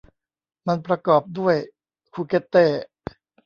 มันประกอบด้วยคูเกตเต้